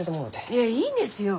いえいいんですよ。